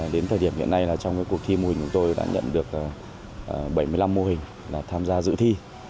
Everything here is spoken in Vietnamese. đến thời điểm hiện nay trong cuộc thi mô hình chúng tôi đã nhận được bảy mươi năm mô hình tham gia dự thi